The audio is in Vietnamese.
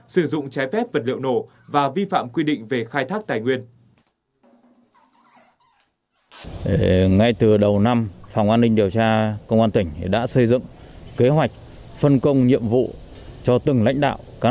sử dụng trái phép vật liệu nổ và vi phạm quy định về khai thác tài nguyên